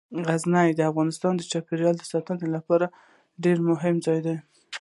غزني د افغانستان د چاپیریال ساتنې لپاره ډیر مهم ځای دی.